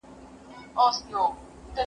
ټولنه تل د حرکت او بدلون په حال کې ده.